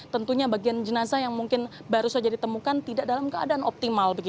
tentunya bagian jenazah yang mungkin baru saja ditemukan tidak dalam keadaan optimal